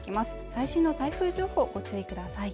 最新の台風情報ご注意ください